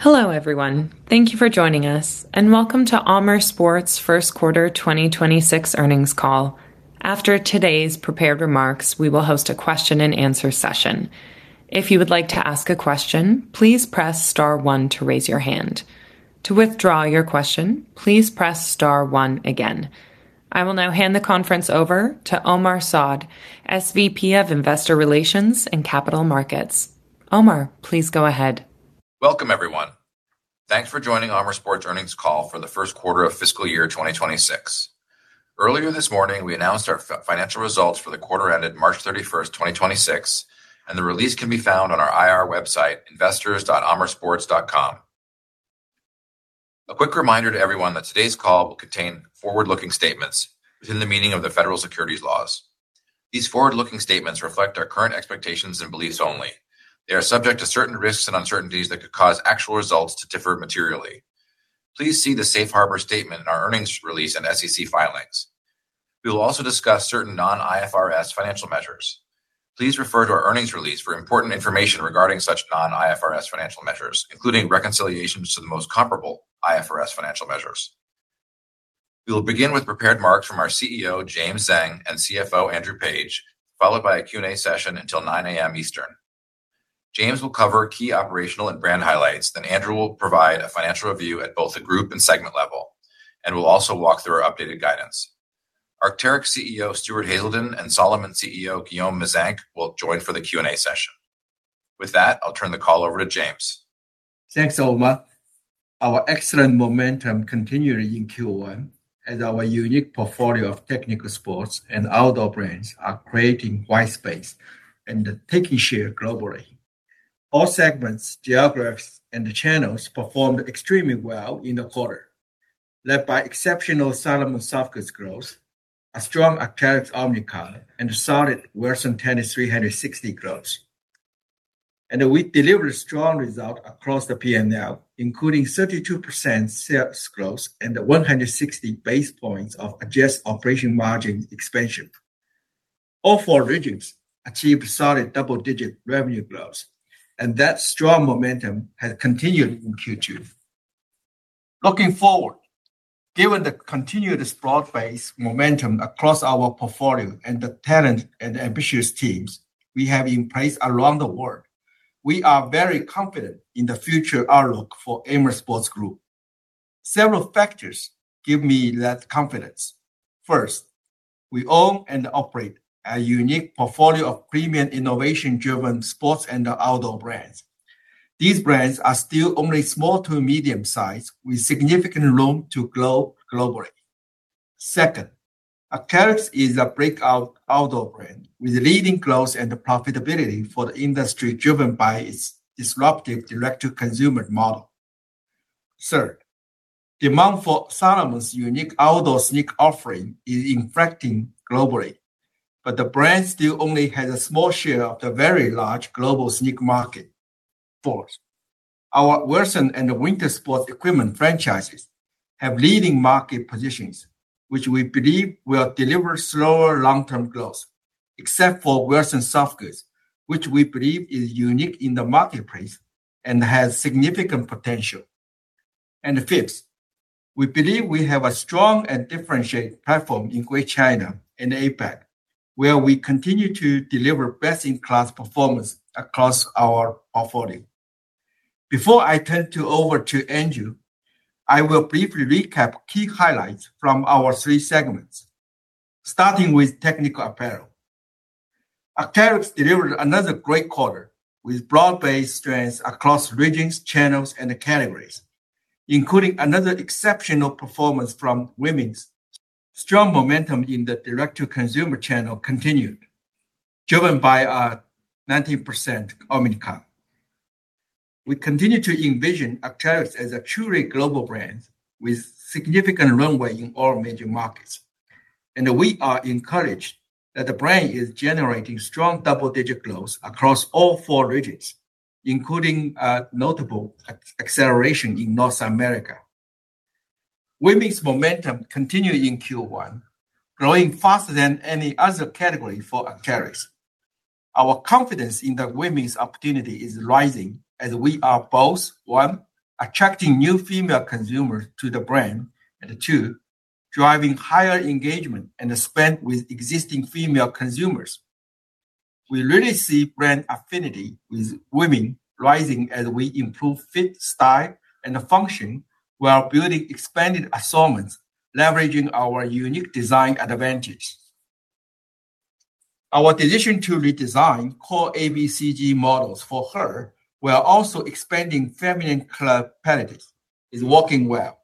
Hello, everyone. Thank you for joining us, and welcome to Amer Sports first quarter 2026 earnings call. After today's prepared remarks, we will host a question and answer session. If you would like to ask a question, please press star one to raise your hand. To withdraw your question, please press star one again. I will now hand the conference over to Omar Saad, SVP of Investor Relations and Capital Markets. Omar, please go ahead. Welcome, everyone. Thanks for joining Amer Sports' earnings call for the first quarter of fiscal year 2026. Earlier this morning, we announced our financial results for the quarter ended March 31st, 2026, and the release can be found on our IR website, investors.amersports.com. A quick reminder to everyone that today's call will contain forward-looking statements within the meaning of the Federal Securities Laws. These forward-looking statements reflect our current expectations and beliefs only. They are subject to certain risks and uncertainties that could cause actual results to differ materially. Please see the safe harbor statement in our earnings release and SEC filings. We will also discuss certain non-IFRS financial measures. Please refer to our earnings release for important information regarding such non-IFRS financial measures, including reconciliations to the most comparable IFRS financial measures. We will begin with prepared remarks from our CEO, James Zheng, and CFO, Andrew Page, followed by a Q&A session until 9:00 A.M. Eastern. James will cover key operational and brand highlights, then Andrew will provide a financial review at both the group and segment level, and we'll also walk through our updated guidance. Arc'teryx CEO Stuart Haselden and Salomon CEO Guillaume Meyzenq will join for the Q&A session. With that, I'll turn the call over to James. Thanks, Omar. Our excellent momentum continued in Q1 as our unique portfolio of technical sports and outdoor brands are creating white space and taking share globally. All segments, geographies, and channels performed extremely well in the quarter, led by exceptional Salomon Softgoods growth, a strong Arc'teryx omni-comp, and solid Wilson Tennis 360 growth. We delivered strong result across the P&L, including 32% sales growth and 160 basis points of adjusted operation margin expansion. All four regions achieved solid double-digit revenue growth, and that strong momentum has continued in Q2. Looking forward, given the continued broad-based momentum across our portfolio and the talent and ambitious teams we have in place around the world, we are very confident in the future outlook for Amer Sports Group. Several factors give me that confidence. First, we own and operate a unique portfolio of premium innovation-driven sports and outdoor brands. These brands are still only small to medium-sized with significant room to grow globally. Second, Arc'teryx is a breakout outdoor brand with leading growth and profitability for the industry, driven by its disruptive direct-to-consumer model. Third, demand for Salomon's unique outdoor sneaker offering is impacting globally, but the brand still only has a small share of the very large global sneaker market. Fourth, our Wilson and winter sports equipment franchises have leading market positions, which we believe will deliver slower long-term growth, except for Wilson Softgoods, which we believe is unique in the marketplace and has significant potential. Fifth, we believe we have a strong and differentiated platform in Greater China and APAC, where we continue to deliver best-in-class performance across our portfolio. Before I turn over to Andrew, I will briefly recap key highlights from our three segments. Starting with Technical Apparel, Arc'teryx delivered another great quarter with broad-based strengths across regions, channels, and categories, including another exceptional performance from women's. Strong momentum in the direct-to-consumer channel continued, driven by a 90% omni-comp. We continue to envision Arc'teryx as a truly global brand with significant runway in all major markets. We are encouraged that the brand is generating strong double-digit growth across all four regions, including a notable acceleration in North America. Women's momentum continued in Q1, growing faster than any other category for Arc'teryx. Our confidence in the women's opportunity is rising as we are both, one, attracting new female consumers to the brand, and two, driving higher engagement and spend with existing female consumers. We really see brand affinity with women rising as we improve fit, style, and function while building expanded assortments, leveraging our unique design advantage. Our decision to redesign core ABCG models for her, while also expanding feminine color palettes, is working well.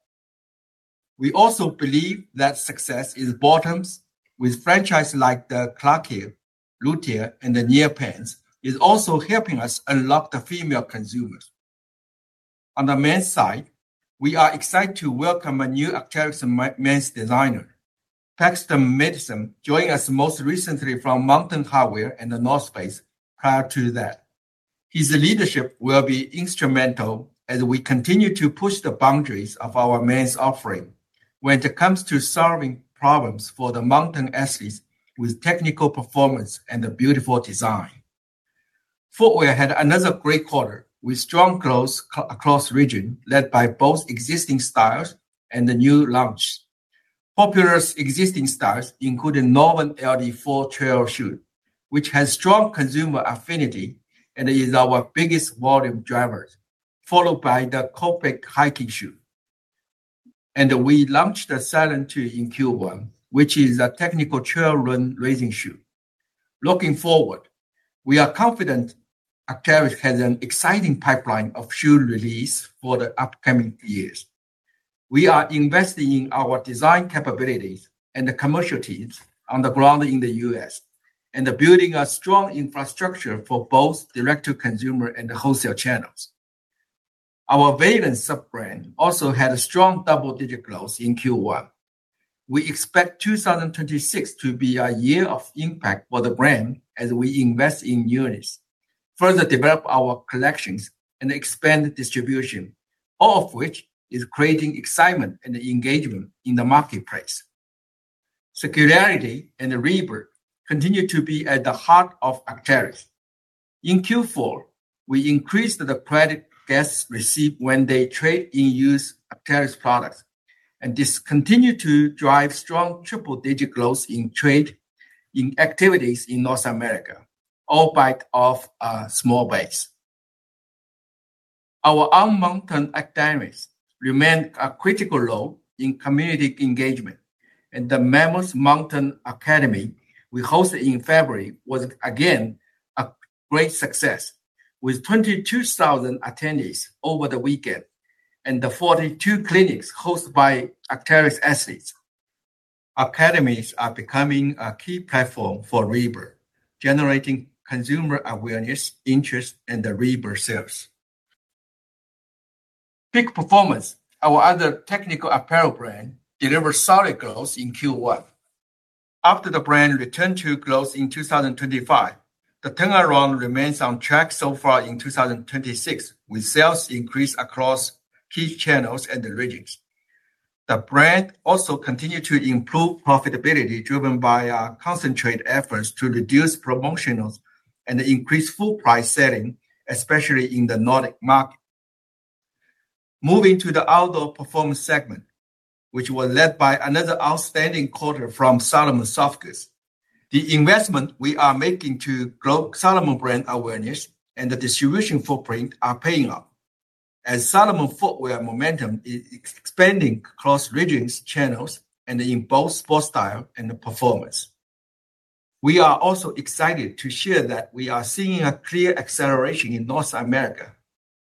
We also believe that success in bottoms with franchises like the Clarkia, Leutia, and the Nia pants is also helping us unlock the female consumers. On the men's side, we are excited to welcome a new Arc'teryx men's designer. Paxton Matheson joined us most recently from Mountain Hardwear and The North Face prior to that. His leadership will be instrumental as we continue to push the boundaries of our men's offering. When it comes to solving problems for the mountain athletes with technical performance and a beautiful design. Footwear had another great quarter, with strong growth across region, led by both existing styles and the new launch. Popular existing styles include the Norvan LD 4 trail shoe, which has strong consumer affinity and is our biggest volume driver, followed by the Kopec hiking shoe. We launched the Sylan 2 in Q1, which is a technical trail run racing shoe. Looking forward, we are confident Arc'teryx has an exciting pipeline of shoe release for the upcoming years. We are investing in our design capabilities and the commercial teams on the ground in the U.S., and building a strong infrastructure for both direct to consumer and wholesale channels. Our Veilance sub-brand also had a strong double-digit growth in Q1. We expect 2026 to be a year of impact for the brand as we invest in units, further develop our collections, and expand distribution, all of which is creating excitement and engagement in the marketplace. Circularity and ReBIRD continue to be at the heart of Arc'teryx. In Q4, we increased the credit guests receive when they trade in used Arc'teryx products, and this continued to drive strong triple digit growth in trade-in activities in North America, albeit off a small base. Our own mountain academies remains a critical role in community engagement, and the Mammoth Mountain Academy we hosted in February was again a great success, with 22,000 attendees over the weekend and the 42 clinics hosted by Arc'teryx athletes. Academies are becoming a key platform for ReBIRD, generating consumer awareness, interest and the ReBIRD sales. Peak Performance, our other technical apparel brand, delivered solid growth in Q1. After the brand returned to growth in 2025, the turnaround remains on track so far in 2026, with sales increase across key channels and the regions. The brand also continued to improve profitability, driven by our concentrated efforts to reduce promotionals and increase full price selling, especially in the Nordic market. Moving to the Outdoor Performance segment, which was led by another outstanding quarter from Salomon Softgoods. The investment we are making to grow Salomon brand awareness and the distribution footprint are paying off, as Salomon footwear momentum is expanding across regions, channels and in both Sportstyle and performance. We are also excited to share that we are seeing a clear acceleration in North America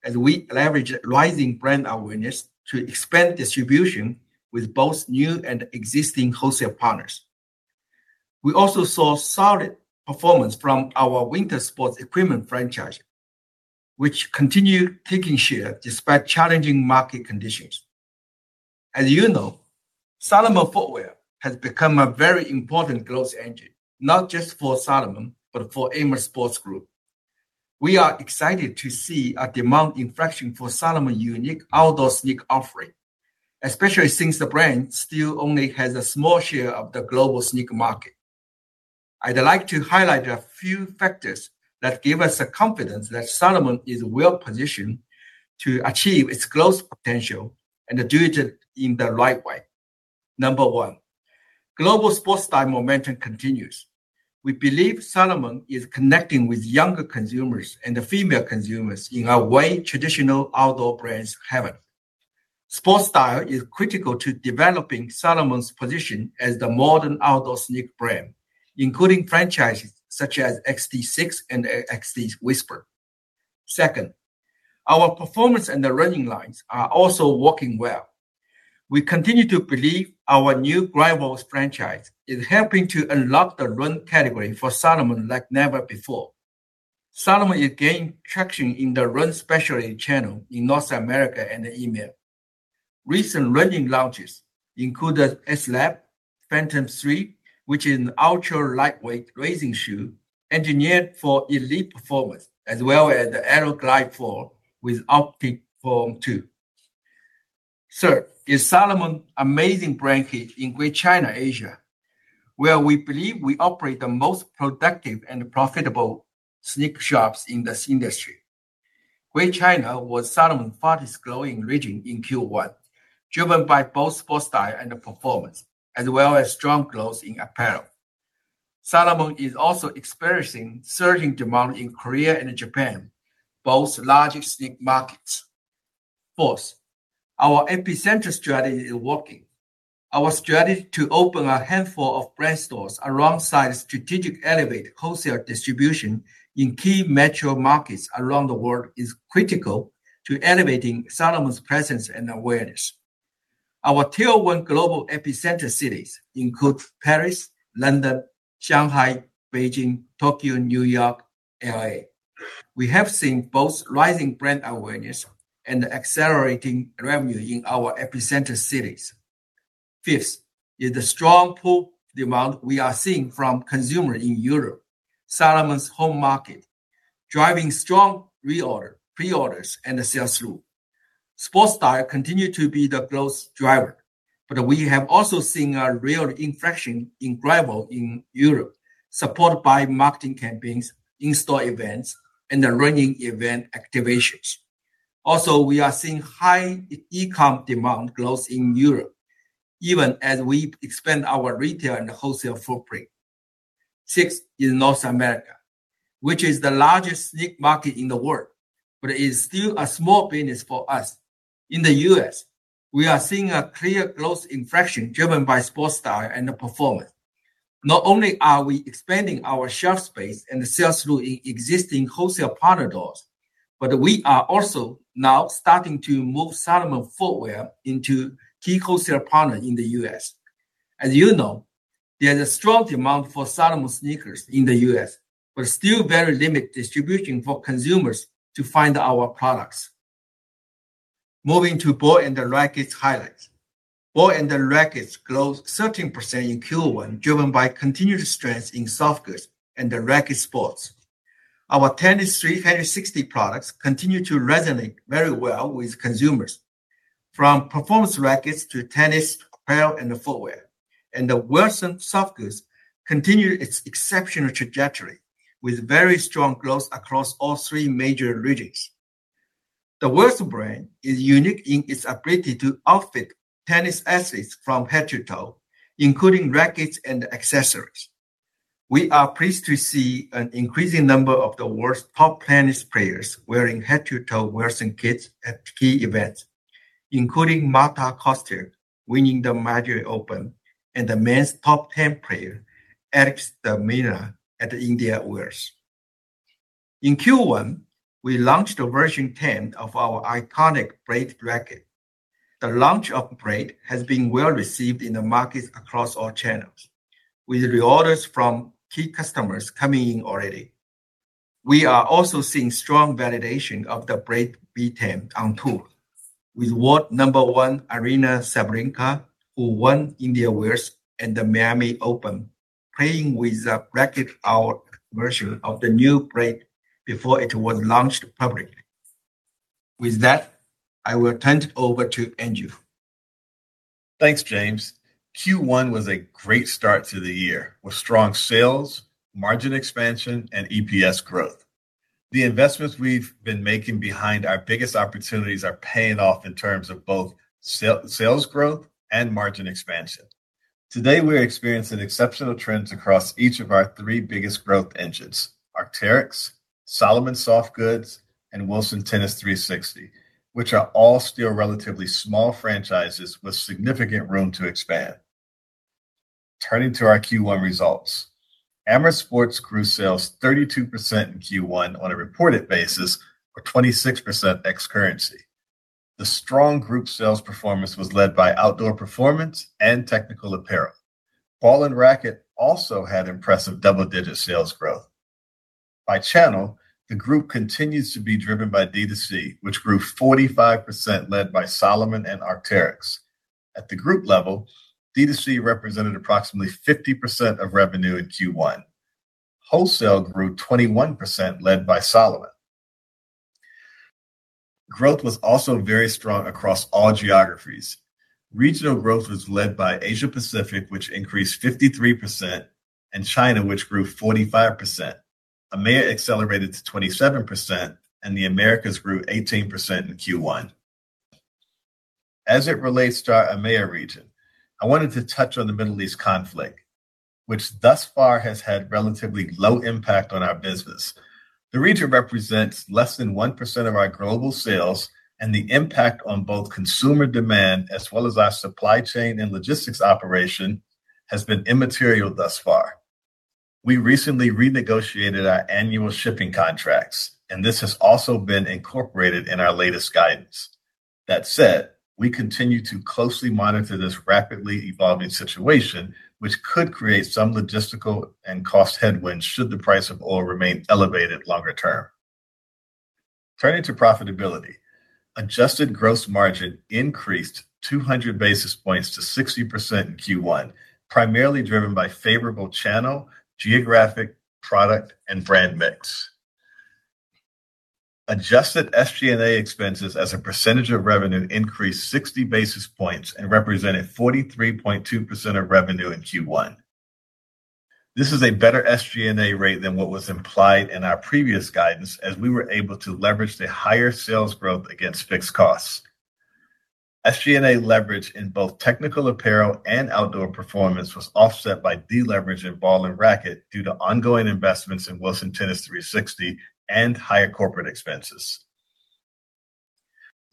as we leverage rising brand awareness to expand distribution with both new and existing wholesale partners. We also saw solid performance from our Winter Sports Equipment franchise, which continued taking share despite challenging market conditions. As you know, Salomon footwear has become a very important growth engine, not just for Salomon, but for Amer Sports Group. We are excited to see a demand inflection for Salomon unique outdoor sneaker offering, especially since the brand still only has a small share of the global sneaker market. I'd like to highlight a few factors that give us the confidence that Salomon is well positioned to achieve its growth potential and do it in the right way. Number 1, global Sportstyle momentum continues. We believe Salomon is connecting with younger consumers and the female consumers in a way traditional outdoor brands haven't. Sport style is critical to developing Salomon's position as the modern outdoor sneaker brand, including franchises such as XT-6 and XT Whisper. Second, our performance and the running lines are also working well. We continue to believe our new Gravel franchise is helping to unlock the run category for Salomon like never before. Salomon is gaining traction in the run specialty channel in North America and EMEA. Recent running launches include the S/LAB Phantasm 3, which is an ultra-lightweight racing shoe engineered for elite performance, as well as the Aero Glide 4 with optiFOAM². Third is Salomon amazing brand in Greater China, Asia, where we believe we operate the most productive and profitable sneaker shops in this industry. Greater China was Salomon fastest growing region in Q1, driven by both Sportstyle and performance, as well as strong growth in apparel. Salomon is also experiencing surging demand in Korea and Japan, both large sneaker markets. Fourth, our epicenter strategy is working. Our strategy to open a handful of brand stores alongside strategic elevated wholesale distribution in key metro markets around the world is critical to elevating Salomon's presence and awareness. Our Tier 1 global epicenter cities include Paris, London, Shanghai, Beijing, Tokyo, New York, L.A. We have seen both rising brand awareness and accelerating revenue in our epicenter cities. Fifth is the strong pull demand we are seeing from consumers in Europe, Salomon's home market, driving strong reorder, preorders and sales through. Sportstyle continue to be the growth driver, but we have also seen a real inflection in Gravel in Europe, supported by marketing campaigns, in-store events and the running event activations. We are seeing high e-com demand growth in Europe, even as we expand our retail and wholesale footprint. Sixth, in North America, which is the largest sneaker market in the world, but it is still a small business for us. In the U.S., we are seeing a clear growth inflection driven by Sportstyle and the performance. Not only are we expanding our shelf space and the sales through existing wholesale partners, we are also now starting to move Salomon footwear into key wholesale partners in the U.S. As you know, there's a strong demand for Salomon sneakers in the U.S., still very limited distribution for consumers to find our products. Moving to Ball & Racquet highlights. Ball & Racquet Sports growth 13% in Q1, driven by continued strength in softgoods and the racket sports. Our Tennis 360 products continue to resonate very well with consumers. From performance rackets to tennis apparel and footwear, the Wilson Softgoods continue its exceptional trajectory with very strong growth across all three major regions. The Wilson brand is unique in its ability to outfit tennis athletes from head to toe, including rackets and accessories. We are pleased to see an increasing number of the world's top 10 tennis players wearing head-to-toe Wilson kits at key events, including Marta Kostyuk winning the Madrid Open and the men's top 10 player, Alex de Minaur, at the Indian Wells. In Q1, we launched the version 10 of our iconic Blade racket. The launch of Blade has been well-received in the markets across all channels, with reorders from key customers coming in already. We are also seeing strong validation of the Blade V10 on tour, with world number one, Aryna Sabalenka, who won Indian Wells and the Miami Open, playing with the racket, our version of the new Blade before it was launched publicly. With that, I will turn it over to Andrew. Thanks, James. Q1 was a great start to the year, with strong sales, margin expansion and EPS growth. The investments we've been making behind our biggest opportunities are paying off in terms of both sales growth and margin expansion. Today, we're experiencing exceptional trends across each of our three biggest growth engines, Arc'teryx, Salomon Softgoods, and Wilson Tennis 360, which are all still relatively small franchises with significant room to expand. Turning to our Q1 results. Amer Sports grew sales 32% in Q1 on a reported basis, or 26% ex currency. The strong group sales performance was led by Outdoor Performance and Technical Apparel. Ball & Racquet also had impressive double-digit sales growth. By channel, the group continues to be driven by D2C, which grew 45%, led by Salomon and Arc'teryx. At the group level, D2C represented approximately 50% of revenue in Q1. Wholesale grew 21%, led by Salomon. Growth was also very strong across all geographies. Regional growth was led by Asia-Pacific, which increased 53%, and China, which grew 45%. EMEA accelerated to 27%, and the Americas grew 18% in Q1. As it relates to our EMEA region, I wanted to touch on the Middle East conflict, which thus far has had relatively low impact on our business. The region represents less than 1% of our global sales, and the impact on both consumer demand as well as our supply chain and logistics operation has been immaterial thus far. We recently renegotiated our annual shipping contracts, and this has also been incorporated in our latest guidance. That said, we continue to closely monitor this rapidly evolving situation, which could create some logistical and cost headwinds should the price of oil remain elevated longer term. Turning to profitability. Adjusted gross margin increased 200 basis points to 60% in Q1, primarily driven by favorable channel, geographic, product and brand mix. Adjusted SG&A expenses as a percentage of revenue increased 60 basis points and represented 43.2% of revenue in Q1. This is a better SG&A rate than what was implied in our previous guidance, as we were able to leverage the higher sales growth against fixed costs. SG&A leverage in both technical apparel and Outdoor Performance was offset by deleverage in Ball & Racquet due to ongoing investments in Wilson Tennis 360 and higher corporate expenses.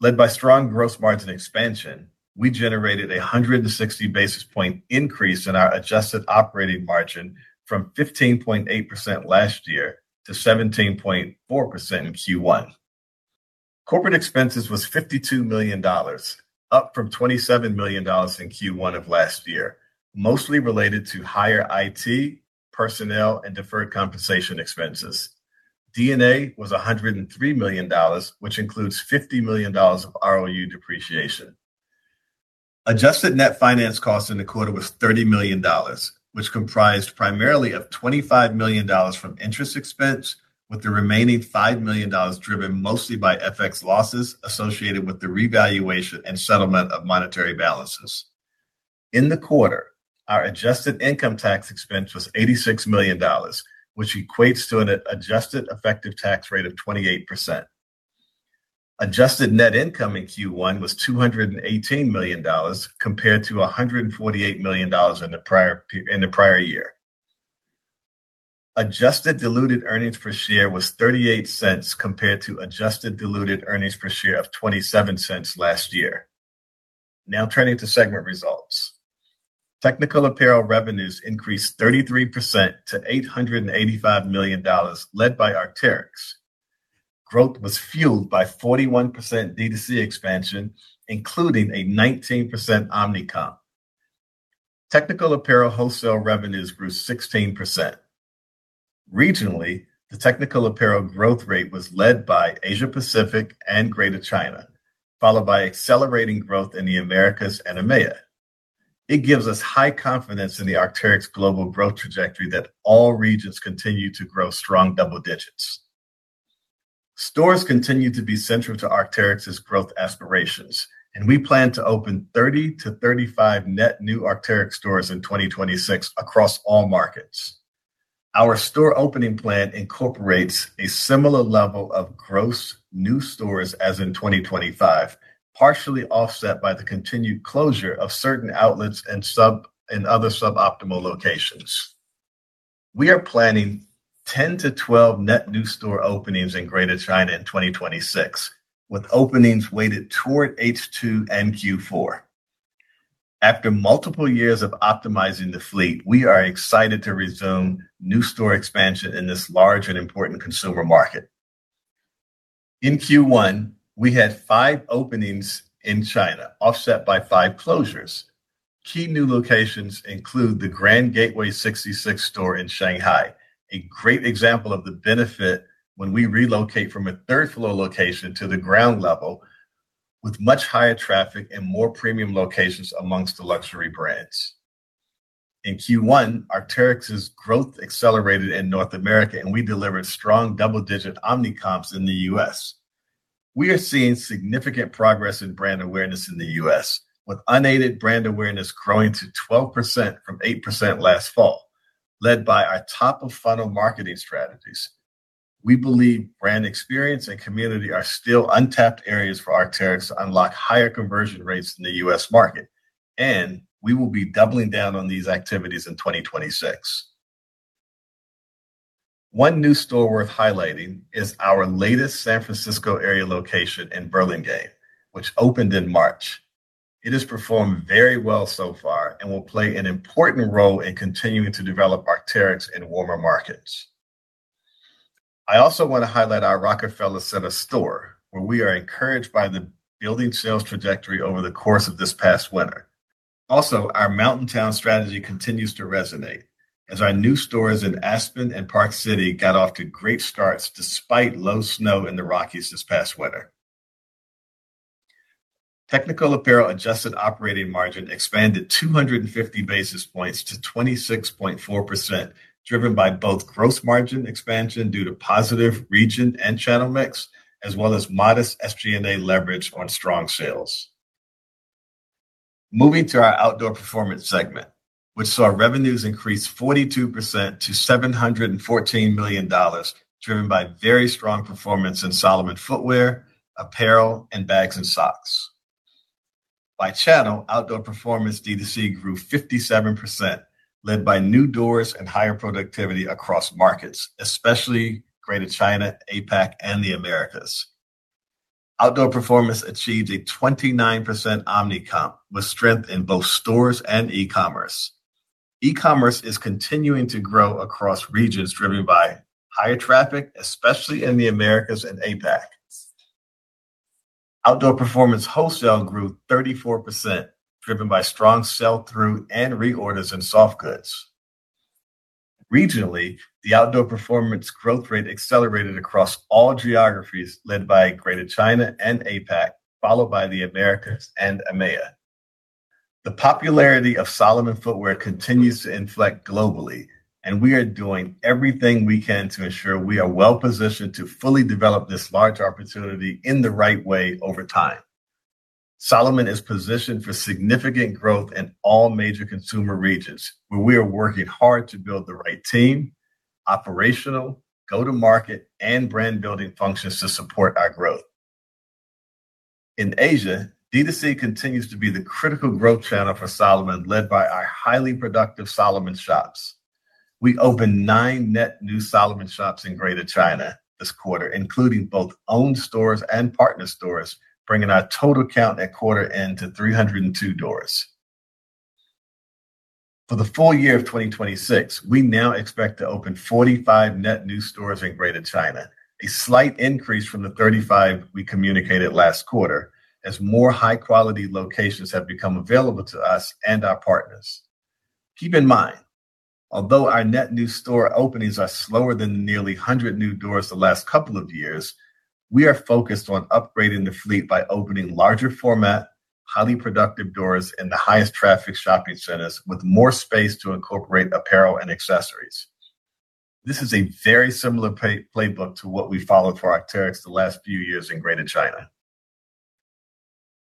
Led by strong gross margin expansion, we generated a 160 basis point increase in our adjusted operating margin from 15.8% last year to 17.4% in Q1. Corporate expenses was $52 million, up from $27 million in Q1 of last year, mostly related to higher IT, personnel, and deferred compensation expenses. D&A was $103 million, which includes $50 million of ROU depreciation. Adjusted net finance cost in the quarter was $30 million, which comprised primarily of $25 million from interest expense, with the remaining $5 million driven mostly by FX losses associated with the revaluation and settlement of monetary balances. In the quarter, our adjusted income tax expense was $86 million, which equates to an adjusted effective tax rate of 28%. Adjusted net income in Q1 was $218 million compared to $148 million in the prior year. Adjusted diluted EPS was $0.38 compared to adjusted diluted EPS of $0.27 last year. Turning to segment results. Technical Apparel revenues increased 33% to $885 million led by Arc'teryx. Growth was fueled by 41% D2C expansion, including a 19% omni-comp. Technical Apparel wholesale revenues grew 16%. Regionally, the Technical Apparel growth rate was led by Asia Pacific and Greater China, followed by accelerating growth in the Americas and EMEA. It gives us high confidence in the Arc'teryx global growth trajectory that all regions continue to grow strong double digits. Stores continue to be central to Arc'teryx's growth aspirations. We plan to open 30-35 net new Arc'teryx stores in 2026 across all markets. Our store opening plan incorporates a similar level of gross new stores as in 2025, partially offset by the continued closure of certain outlets and other suboptimal locations. We are planning 10-12 net new store openings in Greater China in 2026, with openings weighted toward H2 and Q4. After multiple years of optimizing the fleet, we are excited to resume new store expansion in this large and important consumer market. In Q1, we had five openings in China, offset by five closures. Key new locations include the Grand Gateway 66 store in Shanghai, a great example of the benefit when we relocate from a third-floor location to the ground level with much higher traffic and more premium locations amongst the luxury brands. In Q1, Arc'teryx's growth accelerated in North America. We delivered strong double-digit omni-comps in the U.S. We are seeing significant progress in brand awareness in the U.S., with unaided brand awareness growing to 12% from 8% last fall, led by our top-of-funnel marketing strategies. We believe brand experience and community are still untapped areas for Arc'teryx to unlock higher conversion rates in the U.S. market. We will be doubling down on these activities in 2026. One new store worth highlighting is our latest San Francisco area location in Burlingame, which opened in March. It has performed very well so far and will play an important role in continuing to develop Arc'teryx in warmer markets. I also want to highlight our Rockefeller Center store, where we are encouraged by the building sales trajectory over the course of this past winter. Also, our mountain town strategy continues to resonate as our new stores in Aspen and Park City got off to great starts despite low snow in the Rockies this past winter. Technical Apparel adjusted operating margin expanded 250 basis points to 26.4%, driven by both gross margin expansion due to positive region and channel mix, as well as modest SG&A leverage on strong sales. Moving to our Outdoor Performance segment, which saw revenues increase 42% to $714 million, driven by very strong performance in Salomon footwear, apparel, and bags and socks. By channel, Outdoor Performance D2C grew 57%, led by new doors and higher productivity across markets, especially Greater China, APAC, and the Americas. Outdoor Performance achieved a 29% omni-comp with strength in both stores and e-commerce. E-commerce is continuing to grow across regions driven by higher traffic, especially in the Americas and APAC. Outdoor Performance wholesale grew 34%, driven by strong sell-through and reorders in soft goods. Regionally, the Outdoor Performance growth rate accelerated across all geographies led by Greater China and APAC, followed by the Americas and EMEA. The popularity of Salomon footwear continues to inflect globally. We are doing everything we can to ensure we are well-positioned to fully develop this large opportunity in the right way over time. Salomon is positioned for significant growth in all major consumer regions, where we are working hard to build the right team, operational, go-to-market, and brand-building functions to support our growth. In Asia, D2C continues to be the critical growth channel for Salomon, led by our highly productive Salomon shops. We opened nine net new Salomon shops in Greater China this quarter, including both owned stores and partner stores, bringing our total count at quarter end to 302 doors. For the full year of 2026, we now expect to open 45 net new stores in Greater China, a slight increase from the 35 we communicated last quarter, as more high-quality locations have become available to us and our partners. Keep in mind, although our net new store openings are slower than the nearly 100 new doors the last couple of years, we are focused on upgrading the fleet by opening larger format, highly productive doors in the highest traffic shopping centers with more space to incorporate apparel and accessories. This is a very similar playbook to what we followed for Arc'teryx the last few years in Greater China.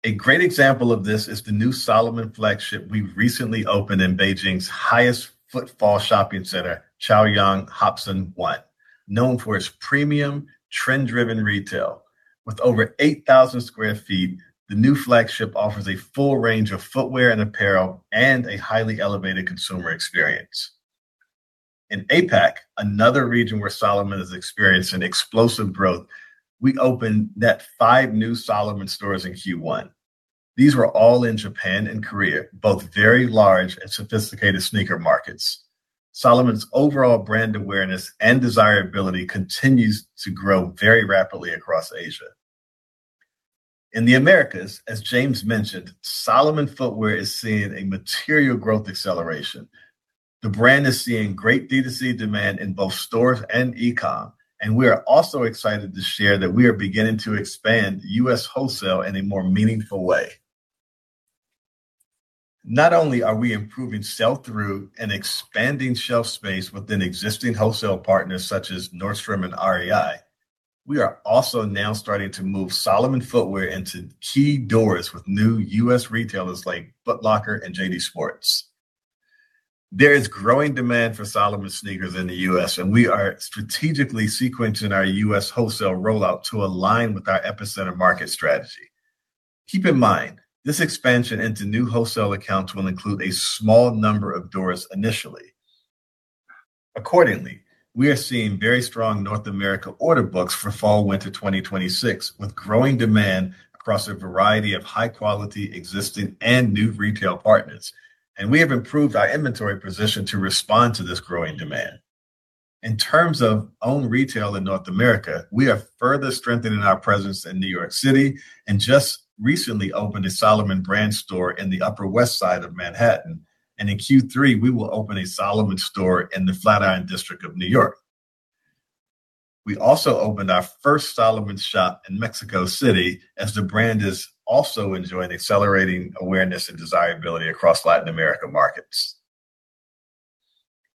A great example of this is the new Salomon flagship we recently opened in Beijing's highest footfall shopping center, Chaoyang Hopson One, known for its premium trend-driven retail. With over 8,000 sq ft, the new flagship offers a full range of footwear and apparel, and a highly elevated consumer experience. In APAC, another region where Salomon has experienced an explosive growth, we opened net five new Salomon stores in Q1. These were all in Japan and Korea, both very large and sophisticated sneaker markets. Salomon's overall brand awareness and desirability continues to grow very rapidly across Asia. In the Americas, as James mentioned, Salomon footwear is seeing a material growth acceleration. The brand is seeing great D2C demand in both stores and e-com. We are also excited to share that we are beginning to expand U.S. wholesale in a more meaningful way. Not only are we improving sell-through and expanding shelf space within existing wholesale partners such as Nordstrom and REI, we are also now starting to move Salomon footwear into key doors with new U.S. retailers like Foot Locker and JD Sports. There is growing demand for Salomon sneakers in the U.S. We are strategically sequencing our U.S. wholesale rollout to align with our epicenter market strategy. Keep in mind, this expansion into new wholesale accounts will include a small number of doors initially. Accordingly, we are seeing very strong North America order books for fall/winter 2026, with growing demand across a variety of high quality existing and new retail partners, and we have improved our inventory position to respond to this growing demand. In terms of own retail in North America, we are further strengthening our presence in New York City and just recently opened a Salomon brand store in the Upper West Side of Manhattan. In Q3, we will open a Salomon store in the Flatiron District of New York. We also opened our first Salomon shop in Mexico City, as the brand is also enjoying accelerating awareness and desirability across Latin America markets.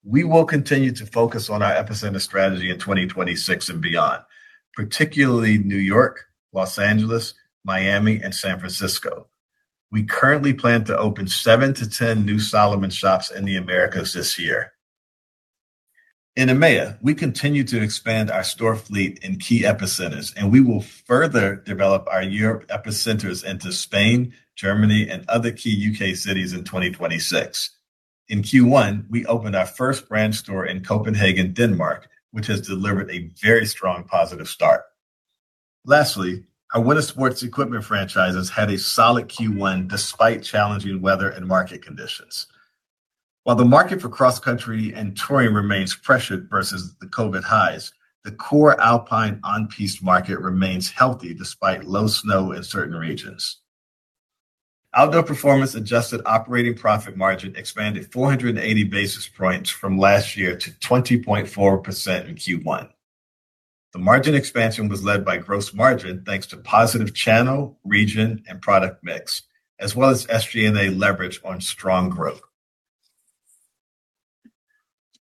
We will continue to focus on our epicenter strategy in 2026 and beyond, particularly New York, Los Angeles, Miami, and San Francisco. We currently plan to open 7-10 new Salomon shops in the Americas this year. In EMEA, we continue to expand our store fleet in key epicenters, and we will further develop our Europe epicenters into Spain, Germany, and other key U.K. cities in 2026. In Q1, we opened our first brand store in Copenhagen, Denmark, which has delivered a very strong positive start. Lastly, our winter sports equipment franchises had a solid Q1 despite challenging weather and market conditions. While the market for cross-country and touring remains pressured versus the COVID highs, the core alpine on-piste market remains healthy despite low snow in certain regions. Outdoor Performance adjusted operating profit margin expanded 480 basis points from last year to 20.4% in Q1. The margin expansion was led by gross margin, thanks to positive channel, region, and product mix, as well as SG&A leverage on strong growth.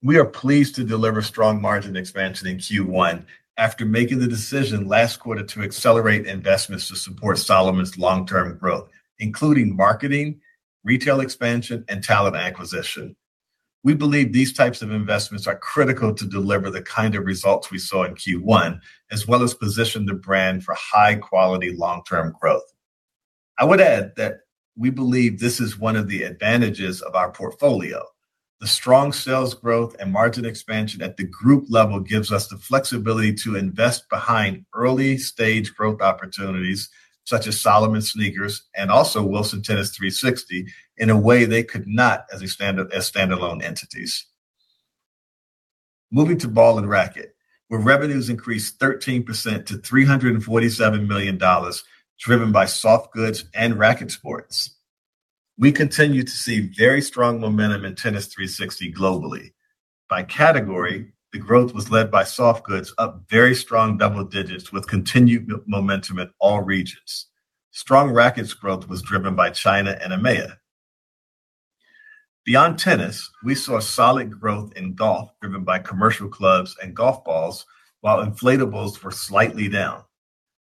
We are pleased to deliver strong margin expansion in Q1 after making the decision last quarter to accelerate investments to support Salomon's long-term growth, including marketing, retail expansion, and talent acquisition. We believe these types of investments are critical to deliver the kind of results we saw in Q1, as well as position the brand for high quality long-term growth. I would add that we believe this is one of the advantages of our portfolio. The strong sales growth and margin expansion at the group level gives us the flexibility to invest behind early stage growth opportunities such as Salomon sneakers and also Wilson Tennis 360 in a way they could not as standalone entities. Moving to Ball & Racquet, where revenues increased 13% to $347 million, driven by softgoods and racket sports. We continue to see very strong momentum in Tennis 360 globally. By category, the growth was led by softgoods up very strong double digits with continued momentum in all regions. Strong rackets growth was driven by China and EMEA. Beyond tennis, we saw solid growth in golf, driven by commercial clubs and golf balls, while inflatables were slightly down.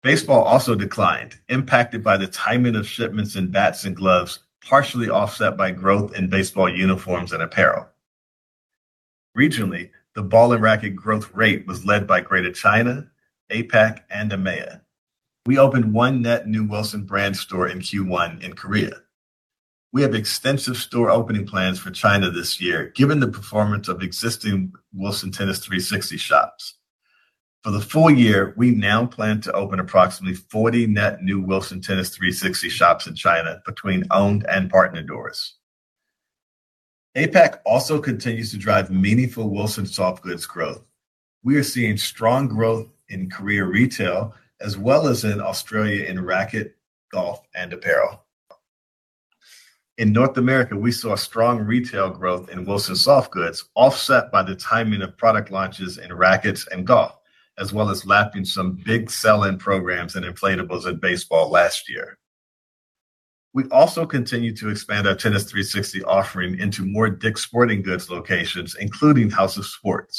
Baseball also declined, impacted by the timing of shipments in bats and gloves, partially offset by growth in baseball uniforms and apparel. Regionally, the Ball & Racquet growth rate was led by Greater China, APAC, and EMEA. We opened one net new Wilson brand store in Q1 in Korea. We have extensive store opening plans for China this year given the performance of existing Wilson Tennis 360 shops. For the full year, we now plan to open approximately 40 net new Wilson Tennis 360 shops in China between owned and partner doors. APAC also continues to drive meaningful Wilson Softgoods growth. We are seeing strong growth in Korea retail as well as in Australia in racket, golf, and apparel. In North America, we saw strong retail growth in Wilson Softgoods offset by the timing of product launches in rackets and golf, as well as lapping some big sell-in programs and inflatables in baseball last year. We also continued to expand our Tennis 360 offering into more Dick's Sporting Goods locations, including House of Sport.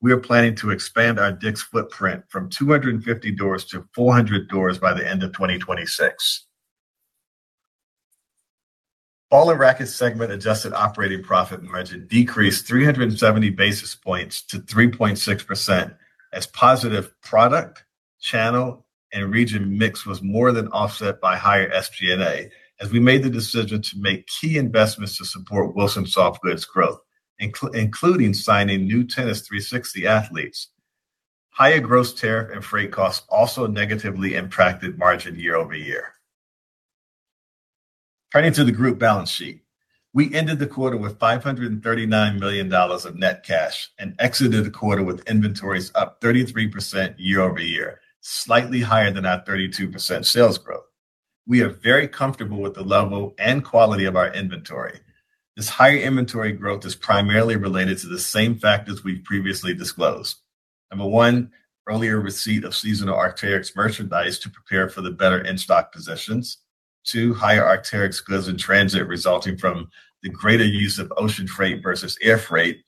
We are planning to expand our Dick's footprint from 250 doors to 400 doors by the end of 2026. Ball & Racquet segment adjusted operating profit margin decreased 370 basis points to 3.6% as positive product, channel, and region mix was more than offset by higher SG&A as we made the decision to make key investments to support Wilson soft goods growth, including signing new Tennis 360 athletes. Higher gross tariff and freight costs also negatively impacted margin year-over-year. Turning to the group balance sheet. We ended the quarter with $539 million of net cash and exited the quarter with inventories up 33% year-over-year, slightly higher than our 32% sales growth. We are very comfortable with the level and quality of our inventory. This higher inventory growth is primarily related to the same factors we've previously disclosed. One, earlier receipt of seasonal Arc'teryx merchandise to prepare for the better in-stock positions. Two, higher Arc'teryx goods in transit resulting from the greater use of ocean freight versus air freight.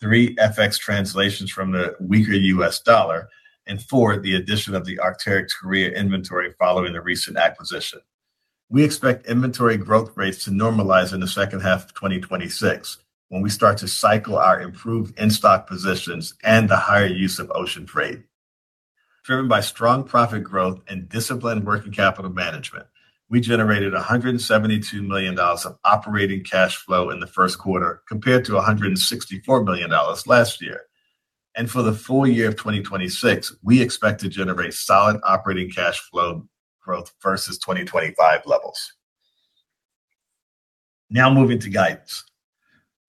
Three, FX translations from the weaker U.S. dollar. And four, the addition of the Arc'teryx Korea inventory following the recent acquisition. We expect inventory growth rates to normalize in the second half of 2026 when we start to cycle our improved in-stock positions and the higher use of ocean freight. Driven by strong profit growth and disciplined working capital management, we generated $172 million of operating cash flow in the first quarter, compared to $164 million last year. For the full year of 2026, we expect to generate solid operating cash flow growth versus 2025 levels. Moving to guidance.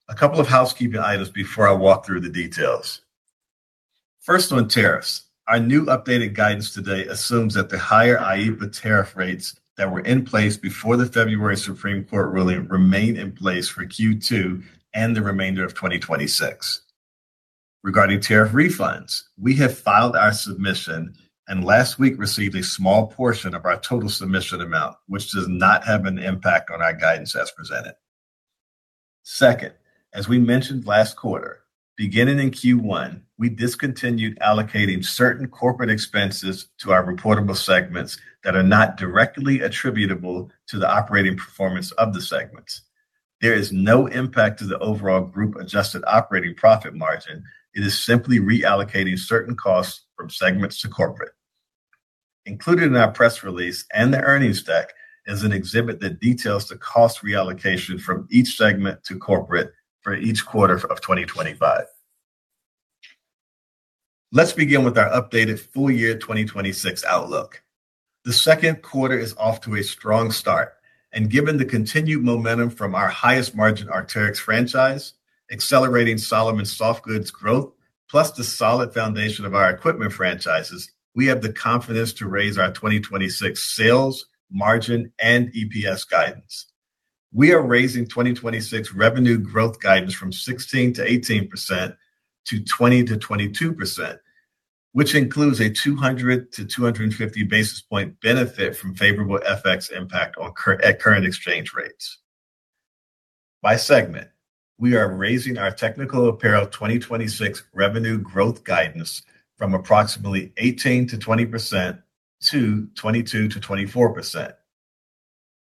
A couple of housekeeping items before I walk through the details. First, on tariffs. Our new updated guidance today assumes that the higher AEB tariff rates that were in place before the February Supreme Court ruling remain in place for Q2 and the remainder of 2026. Regarding tariff refunds, we have filed our submission and last week received a small portion of our total submission amount, which does not have an impact on our guidance as presented. Second, as we mentioned last quarter, beginning in Q1, we discontinued allocating certain corporate expenses to our reportable segments that are not directly attributable to the operating performance of the segments. There is no impact to the overall group-adjusted operating profit margin. It is simply reallocating certain costs from segments to corporate. Included in our press release and the earnings deck is an exhibit that details the cost reallocation from each segment to corporate for each quarter of 2025. Let's begin with our updated full year 2026 outlook. The second quarter is off to a strong start, given the continued momentum from our highest margin Arc'teryx franchise, accelerating Salomon soft goods growth, plus the solid foundation of our equipment franchises, we have the confidence to raise our 2026 sales, margin, and EPS guidance. We are raising 2026 revenue growth guidance from 16%-18% to 20%-22%, which includes a 200-250 basis point benefit from favorable FX impact at current exchange rates. By segment, we are raising our Technical Apparel 2026 revenue growth guidance from approximately 18%-20% to 22%-24%.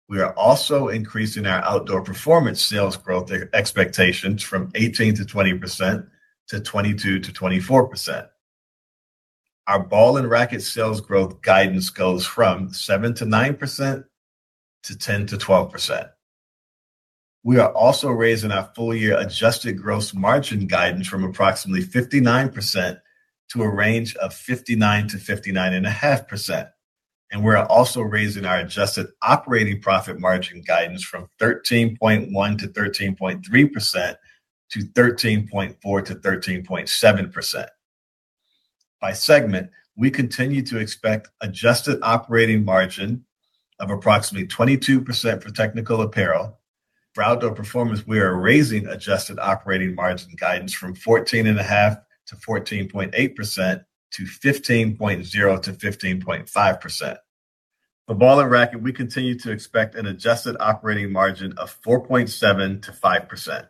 We are also increasing our Outdoor Performance sales growth expectations from 18%-20% to 22%-24%. Our Ball & Racquet sales growth guidance goes from 7%-9% to 10%-12%. We are also raising our full year adjusted gross margin guidance from approximately 59% to a range of 59%-59.5%. We are also raising our adjusted operating profit margin guidance from 13.1%-13.3% to 13.4%-13.7%. By segment, we continue to expect adjusted operating margin of approximately 22% for Technical Apparel. For Outdoor Performance, we are raising adjusted operating margin guidance from 14.5%-14.8% to 15.0%-15.5%. For Ball & Racquet, we continue to expect an adjusted operating margin of 4.7%-5%.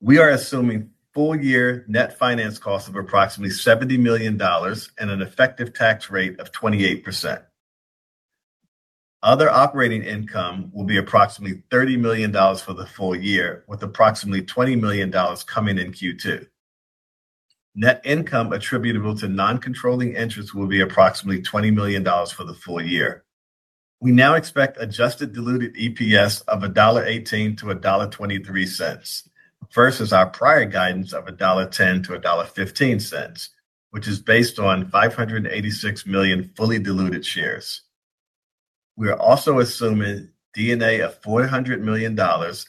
We are assuming full year net finance cost of approximately $70 million and an effective tax rate of 28%. Other operating income will be approximately $30 million for the full year, with approximately $20 million coming in Q2. Net income attributable to non-controlling interests will be approximately $20 million for the full year. We now expect adjusted diluted EPS of $1.18-$1.23 versus our prior guidance of $1.10-$1.15, which is based on 586 million fully diluted shares. We are also assuming D&A of $400 million,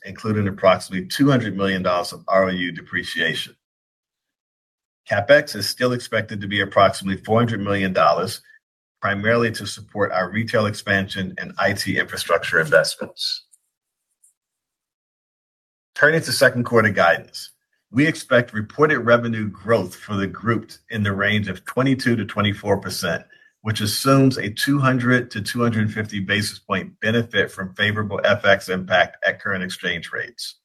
including approximately $200 million of ROU depreciation. CapEx is still expected to be approximately $400 million, primarily to support our retail expansion and IT infrastructure investments. Turning to second quarter guidance. We expect reported revenue growth for the group in the range of 22%-24%, which assumes a 200-250 basis point benefit from favorable FX impact at current exchange rates.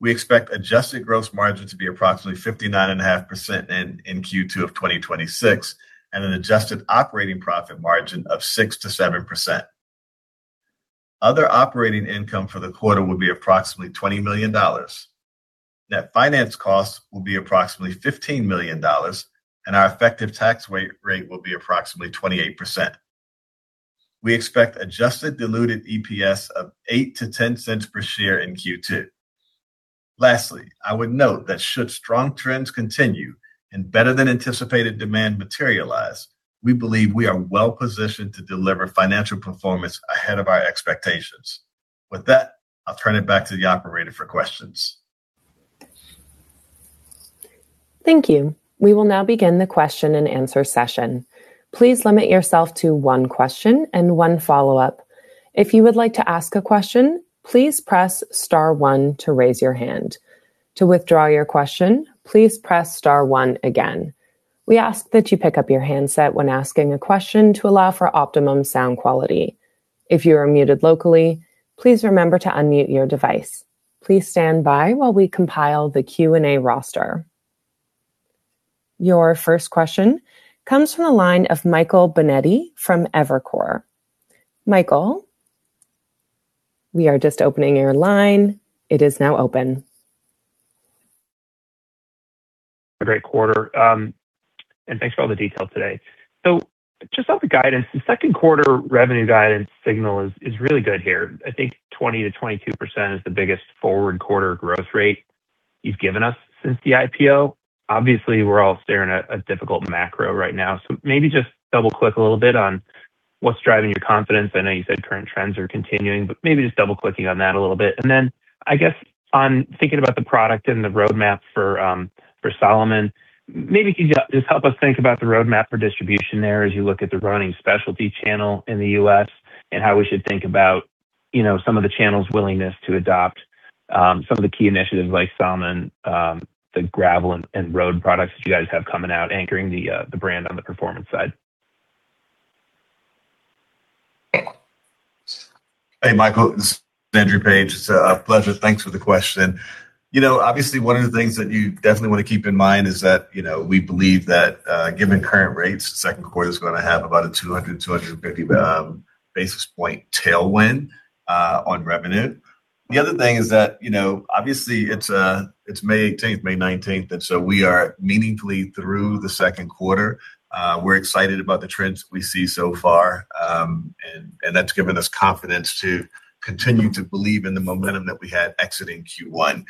We expect adjusted gross margin to be approximately 59.5% in Q2 of 2026, and an adjusted operating profit margin of 6%-7%. Other operating income for the quarter will be approximately $20 million. Net finance costs will be approximately $15 million, and our effective tax rate will be approximately 28%. We expect adjusted diluted EPS of $0.08-$0.10 per share in Q2. Lastly, I would note that should strong trends continue and better than anticipated demand materialize, we believe we are well-positioned to deliver financial performance ahead of our expectations. With that, I'll turn it back to the operator for questions. Thank you. We will now begin the question and answer session. Please limit yourself to one question and one follow-up. If you would like to ask a question, please press star one to raise your hand. To withdraw your question, please press star one again. We ask that you pick up your handset when asking a question to allow for optimum sound quality. If you are muted locally, please remember to unmute your device. Please stand by while we compile the Q&A roster. Your first question comes from the line of Michael Binetti from Evercore. Michael, we are just opening your line. It is now open. A great quarter, thanks for all the details today. Just on the guidance, the second quarter revenue guidance signal is really good here. I think 20%-22% is the biggest forward quarter growth rate you've given us since the IPO. Obviously, we're all staring at a difficult macro right now, maybe just double-click a little bit on what's driving your confidence. I know you said current trends are continuing, maybe just double-clicking on that a little bit. I guess on thinking about the product and the roadmap for Salomon, maybe could you just help us think about the roadmap for distribution there as you look at the running specialty channel in the U.S. and how we should think about, you know, some of the channel's willingness to adopt some of the key initiatives like Salomon, the Gravel and road products that you guys have coming out anchoring the brand on the performance side? Hey, Michael, this is Andrew Page. It's a pleasure. Thanks for the question. You know, obviously, one of the things that you definitely want to keep in mind is that, you know, we believe that, given current rates, second quarter is gonna have about a 200, 250 basis point tailwind, on revenue. The other thing is that, you know, obviously, it's May 18th, May 19th, and so we are meaningfully through the second quarter. We're excited about the trends we see so far, and that's given us confidence to continue to believe in the momentum that we had exiting Q1.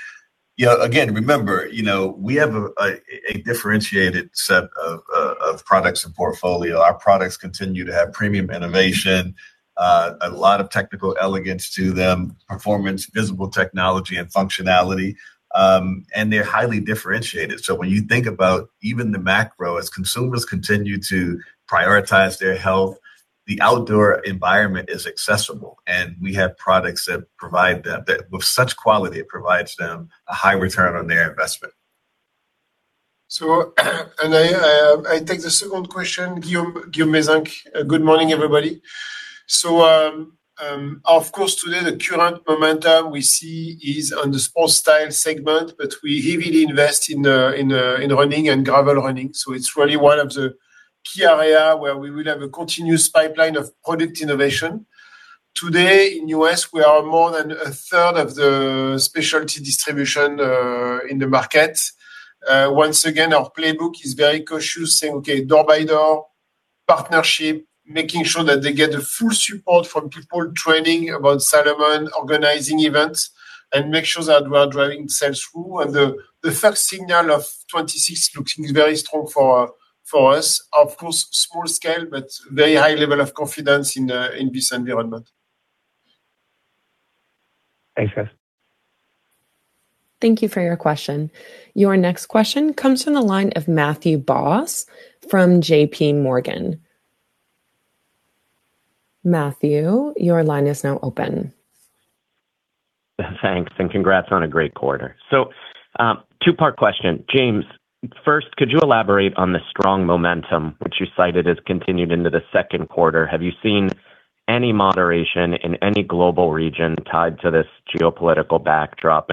You know, again, remember, you know, we have a differentiated set of products and portfolio. Our products continue to have premium innovation, a lot of technical elegance to them, performance, visible technology and functionality, and they're highly differentiated. When you think about even the macro, as consumers continue to prioritize their health, the outdoor environment is accessible, and we have products that with such quality, it provides them a high return on their investment. And I take the second question, Guillaume Meyzenq. Good morning, everybody. Of course, today the current momentum we see is on the Sportstyle segment, but we heavily invest in running and Gravel running, it's really one of the key area where we will have a continuous pipeline of product innovation. Today in U.S. we are more than a third of the specialty distribution in the market. Once again, our playbook is very cautious, saying, okay, door by door, partnership, making sure that they get the full support from people training about Salomon, organizing events, and make sure that we are driving sales through. The first signal of 26 looking very strong for us. Of course, small scale, but very high level of confidence in this environment. Thanks, guys. Thank you for your question. Your next question comes from the line of Matthew Boss from JPMorgan. Matthew, your line is now open. Thanks, and congrats on a great quarter. Two-part question. James, first, could you elaborate on the strong momentum which you cited has continued into the second quarter? Have you seen any moderation in any global region tied to this geopolitical backdrop?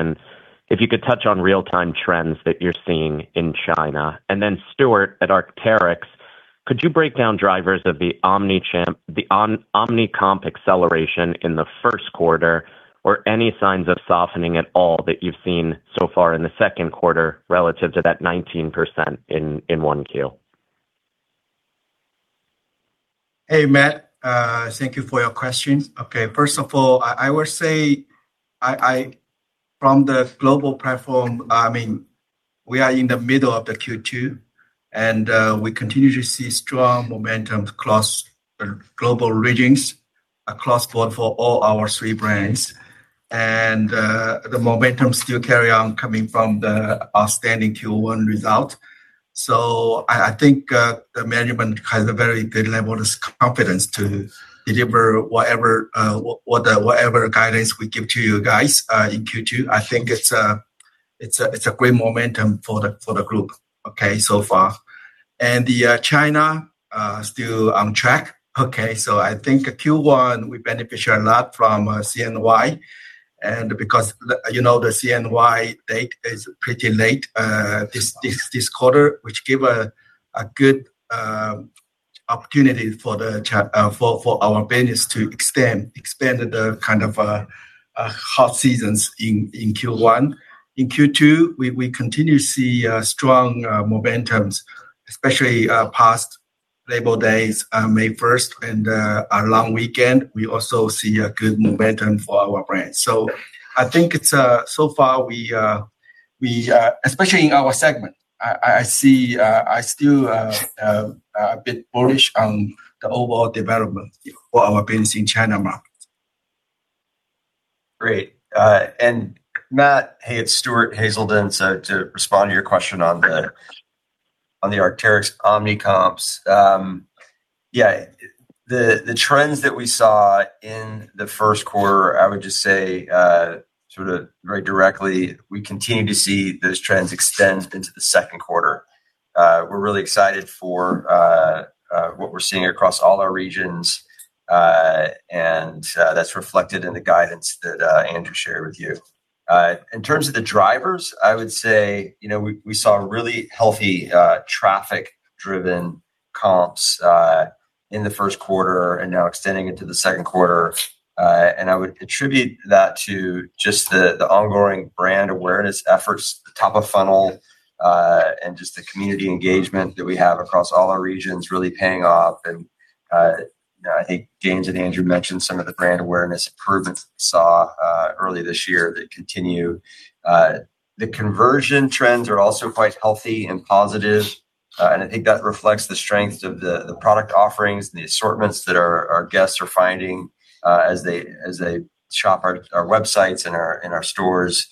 If you could touch on real-time trends that you're seeing in China. Then Stuart, at Arc'teryx, could you break down drivers of the omni comp acceleration in the first quarter, or any signs of softening at all that you've seen so far in the second quarter relative to that 19% in 1Q? Hey, Matt. Thank you for your questions. First of all, I would say from the global platform, I mean, we are in the middle of the Q2, we continue to see strong momentum across global regions across board for all our three brands. The momentum still carry on coming from the outstanding Q1 result. I think the management has a very good level of confidence to deliver whatever guidance we give to you guys in Q2. I think it's a great momentum for the group so far. The China still on track. I think Q1 we benefit a lot from CNY and because you know, the CNY date is pretty late, this quarter, which give a good opportunity for our business to extend, expand the kind of hot seasons in Q1. In Q2, we continue to see strong momentums, especially past Labor Days, May 1st and a long weekend, we also see a good momentum for our brand. I think it's so far we, especially in our segment, I see I still a bit bullish on the overall development for our business in China market. Great. Matt, hey, it's Stuart Haselden. To respond to your question on the Arc'teryx omni-comp. Yeah, the trends that we saw in the first quarter, I would just say, sort of very directly, we continue to see those trends extend into the second quarter. We're really excited for what we're seeing across all our regions. That's reflected in the guidance that Andrew shared with you. In terms of the drivers, I would say, you know, we saw really healthy traffic-driven comps in the first quarter and now extending into the second quarter. I would attribute that to just the ongoing brand awareness efforts, top of funnel, and just the community engagement that we have across all our regions really paying off. You know, I think James and Andrew mentioned some of the brand awareness improvements we saw early this year that continue. The conversion trends are also quite healthy and positive. I think that reflects the strength of the product offerings and the assortments that our guests are finding as they shop our websites and our stores.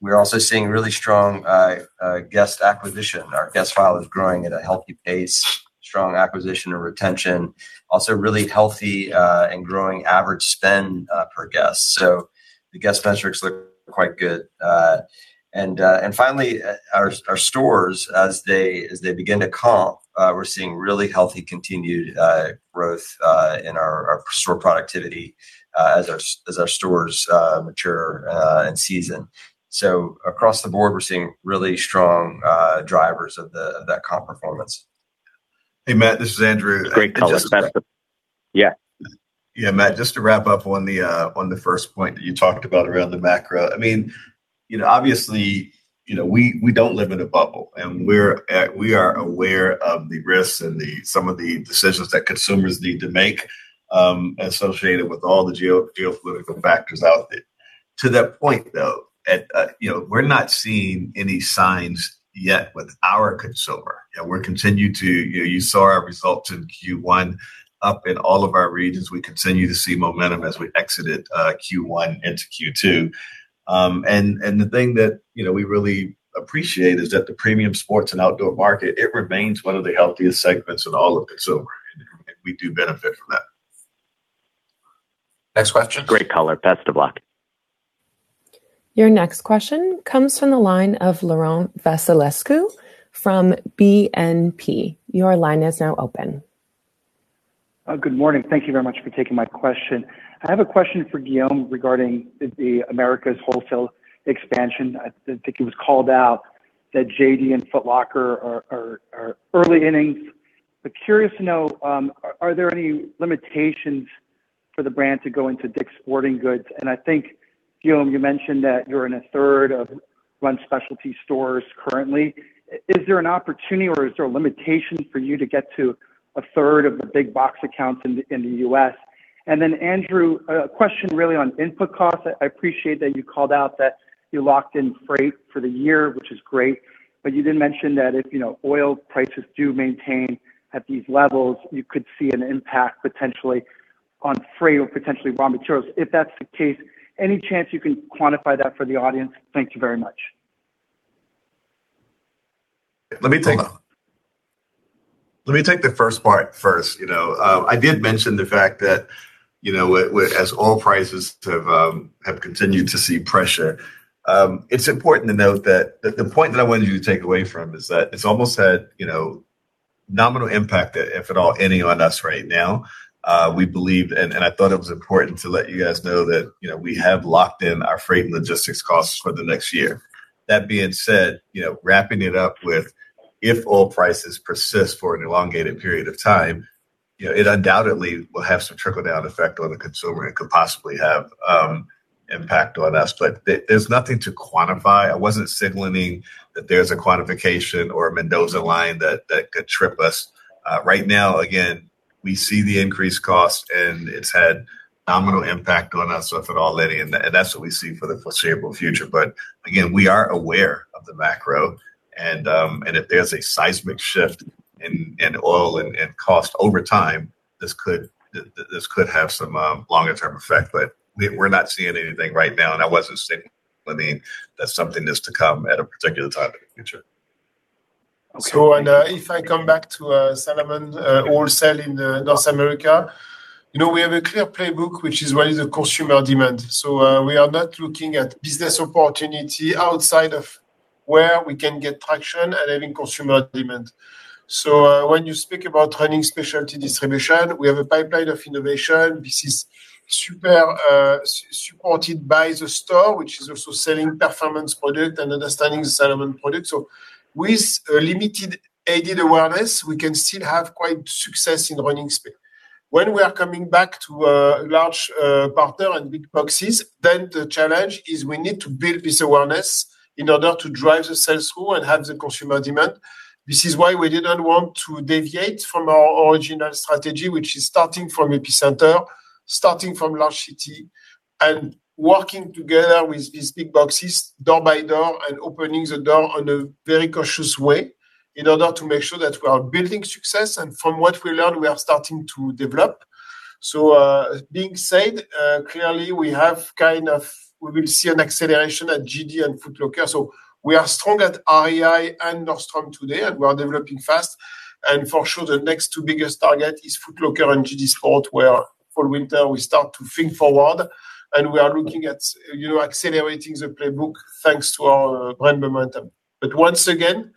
We're also seeing really strong guest acquisition. Our guest file is growing at a healthy pace, strong acquisition and retention. Also really healthy and growing average spend per guest. The guest metrics look quite good. Finally, our stores as they begin to comp, we're seeing really healthy continued growth in our store productivity as our stores mature in season. Across the board, we're seeing really strong drivers of that comp performance. Hey, Matt, this is Andrew. Great color. That's the. Yeah. Matt, just to wrap up on the first point that you talked about around the macro. You know, obviously, you know, we don't live in a bubble, and we are aware of the risks and some of the decisions that consumers need to make associated with all the geopolitical factors out there. To that point, though, you know, we're not seeing any signs yet with our consumer. You know, you saw our results in Q1 up in all of our regions. We continue to see momentum as we exited Q1 into Q2. The thing that, you know, we really appreciate is that the premium sports and outdoor market, it remains one of the healthiest segments in all of consumer, and we do benefit from that. Next question? Great color. Best of luck. Your next question comes from the line of Laurent Vasilescu from BNP. Your line is now open. Good morning. Thank you very much for taking my question. I have a question for Guillaume regarding the Amer Sports wholesale expansion. I think it was called out that JD and Foot Locker are early innings. Curious to know, are there any limitations for the brand to go into Dick's Sporting Goods? I think, Guillaume, you mentioned that you're in 1/3 of run specialty stores currently. Is there an opportunity or is there a limitation for you to get to 1/3 of the big box accounts in the U.S.? Andrew, a question really on input costs. I appreciate that you called out that you locked in freight for the year, which is great. You did mention that if, you know, oil prices do maintain at these levels, you could see an impact potentially on freight or potentially raw materials. If that's the case, any chance you can quantify that for the audience? Thank you very much. Let me take- Hold on. Let me take the first part first. You know, I did mention the fact that, you know, as oil prices have continued to see pressure, it's important to note that the point that I wanted you to take away from is that it's almost had, you know, nominal impact, if at all, any on us right now. We believe and I thought it was important to let you guys know that, you know, we have locked in our freight and logistics costs for the next year. That being said, you know, wrapping it up with if oil prices persist for an elongated period of time, you know, it undoubtedly will have some trickle-down effect on the consumer and could possibly have impact on us. There's nothing to quantify. I wasn't signaling that there's a quantification or a Mendoza Line that could trip us. Right now, again, we see the increased cost, and it's had nominal impact on us, if at all, any, and that's what we see for the foreseeable future. Again, we are aware of the macro and if there's a seismic shift in oil and cost over time, this could have some longer term effect. We're not seeing anything right now, I wasn't saying, I mean, that something is to come at a particular time in the future. If I come back to Salomon wholesale in North America, you know, we have a clear playbook, which is really the consumer demand. We are not looking at business opportunity outside of where we can get traction and having consumer demand. When you speak about running specialty distribution, we have a pipeline of innovation. This is super supported by the store, which is also selling performance product and understanding Salomon product. With limited aided awareness, we can still have quite success in running speed. When we are coming back to a large partner and big boxes, the challenge is we need to build this awareness in order to drive the sales through and have the consumer demand. This is why we didn't want to deviate from our original strategy, which is starting from epicenter, starting from large city, and working together with these big boxes door by door and opening the door on a very cautious way in order to make sure that we are building success. From what we learned, we are starting to develop. Being said, clearly we will see an acceleration at JD Sports and Foot Locker. We are strong at REI and Nordstrom today, and we are developing fast. For sure, the next two biggest target is Foot Locker and JD Sports, where for winter we start to think forward, and we are looking at, you know, accelerating the playbook thanks to our brand momentum. Once again,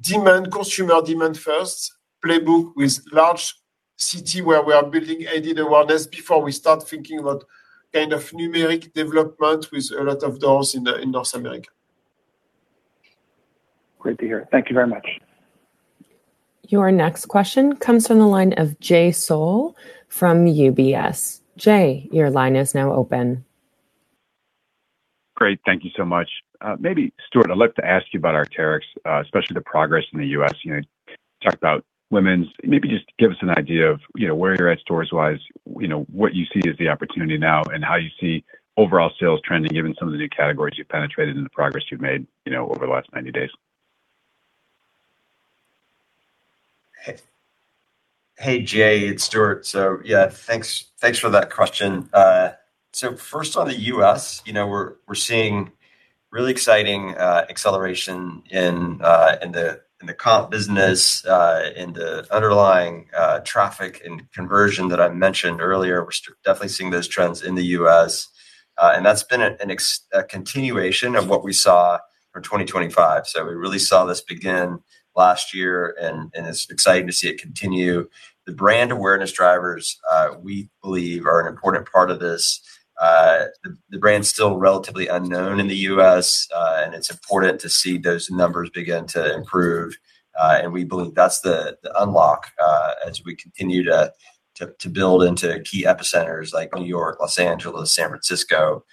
demand, consumer demand first, playbook with large city where we are building aided awareness before we start thinking about kind of numeric development with a lot of doors in North America. Great to hear. Thank you very much. Your next question comes from the line of Jay Sole from UBS. Jay, your line is now open. Great. Thank you so much. Maybe, Stuart, I'd love to ask you about Arc'teryx, especially the progress in the U.S. You know, talked about women's. Maybe just give us an idea of, you know, where you're at stores-wise, you know, what you see as the opportunity now and how you see overall sales trending, given some of the new categories you've penetrated and the progress you've made, you know, over the last 90 days. Hey, Jay, it's Stuart. Yeah, thanks for that question. First on the U.S., you know, we're seeing really exciting acceleration in the comp business, in the underlying traffic and conversion that I mentioned earlier. We're definitely seeing those trends in the U.S., and that's been a continuation of what we saw for 2025. We really saw this begin last year, and it's exciting to see it continue. The brand awareness drivers, we believe are an important part of this. The brand's still relatively unknown in the U.S., and it's important to see those numbers begin to improve. We believe that's the unlock as we continue to build into key epicenters like New York, Los Angeles, San Francisco.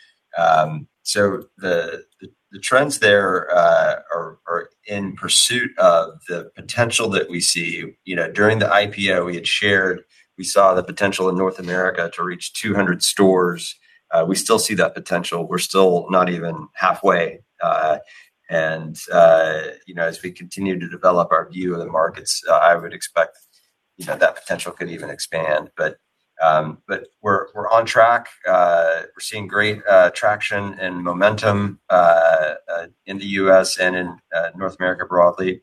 The trends there are in pursuit of the potential that we see. You know, during the IPO, we had shared we saw the potential in North America to reach 200 stores. We still see that potential. We're still not even halfway. You know, as we continue to develop our view of the markets, I would expect, you know, that potential could even expand. We're on track. We're seeing great traction and momentum in the U.S. and in North America broadly.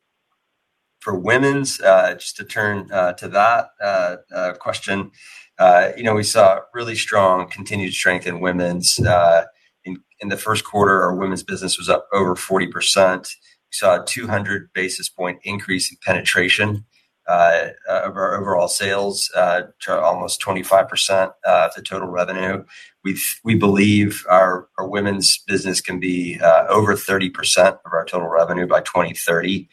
Women's, just to turn to that question, you know, we saw really strong continued strength in women's. In the first quarter, our women's business was up over 40%. We saw a 200 basis point increase in penetration of our overall sales to almost 25% of the total revenue. We believe our women's business can be over 30% of our total revenue by 2030.